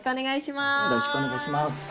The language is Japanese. よろしくお願いします。